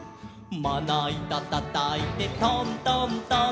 「まないたたたいてトントントン」